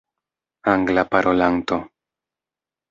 anglaparolanto